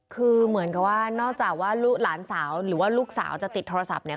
คือเหมือนกับว่านอกจากว่าหลานสาวหรือว่าลูกสาวจะติดโทรศัพท์เนี่ย